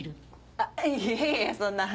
あっいやいやそんな。